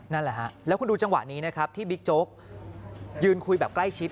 นั่นแหละฮะแล้วคุณดูจังหวะนี้นะครับที่บิ๊กโจ๊กยืนคุยแบบใกล้ชิด